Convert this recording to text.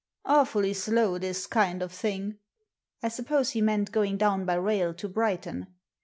"Awfully slow this kind of thing." I suppose he meant going down by rail to Brighton.